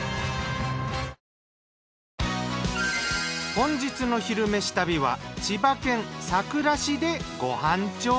本日の「昼めし旅」は千葉県佐倉市でご飯調査。